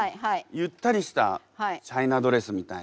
ゆったりしたチャイナドレスみたいな。